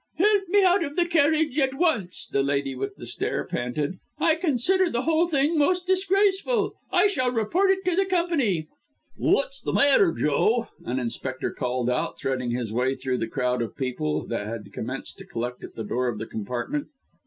"Help me out of the carriage at once," the lady with the stare panted. "I consider the whole thing most disgraceful. I shall report it to the Company." "What's the matter, Joe?" an inspector called out, threading his way through the crowd of people, that had commenced to collect at the door of the compartment.